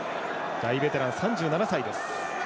大ベテランの３７歳です。